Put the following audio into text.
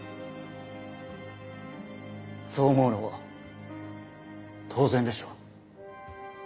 そう思うのも当然でしょう。